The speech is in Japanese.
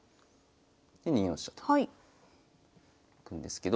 で２四飛車といくんですけど。